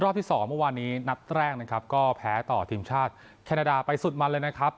ที่สองเมื่อวานนี้นัดแรกนะครับก็แพ้ต่อทีมชาติแคนาดาไปสุดมันเลยนะครับ